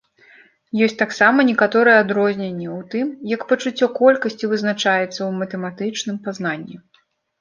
Ёсць таксама некаторыя адрозненні ў тым, як пачуццё колькасці вызначаецца ў матэматычным пазнанні.